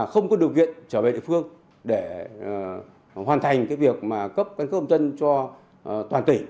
không có điều kiện trở về địa phương để hoàn thành cái việc mà cấp căn cước công dân cho toàn tỉnh